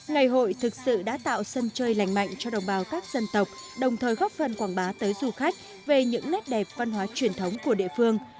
ngày hội thực sự đã tạo sân chơi lành mạnh cho đồng bào các dân tộc đồng thời góp phần quảng bá tới du khách về những nét đẹp văn hóa truyền thống của địa phương